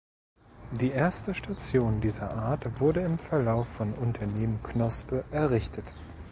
Die erste Station dieser Art wurde im Verlauf von Unternehmen Knospe errichtet.